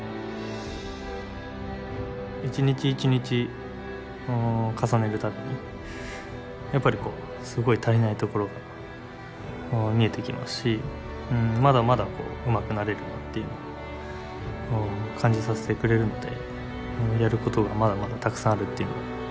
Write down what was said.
一日一日重ねる度にやっぱりこうすごい足りないところが見えてきますしまだまだうまくなれるなっていうのを感じさせてくれるのでやることがまだまだたくさんあるっていう。